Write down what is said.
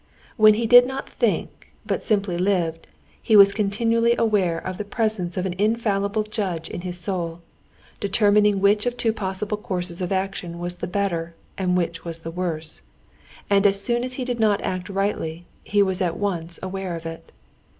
When he did not think, but simply lived, he was continually aware of the presence of an infallible judge in his soul, determining which of two possible courses of action was the better and which was the worse, and as soon as he did not act rightly, he was at once aware of it.